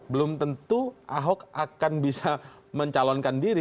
belum tentu ahok akan bisa mencalonkan diri